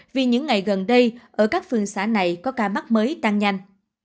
vì những ngày gần đây ở các phương xã này có ca mắc mới tăng nhanh